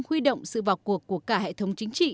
huy động sự vào cuộc của cả hệ thống chính trị